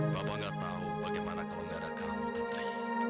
bapak gak tau bagaimana kalau gak ada kamu tantri